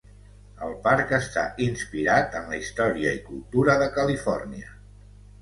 El parc està inspirat en la història i cultura de Califòrnia.